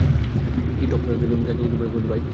কী top class জায়গা খুঁজে বের করলি ভাই।